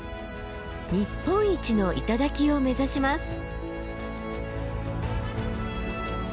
日本一の頂を目指します。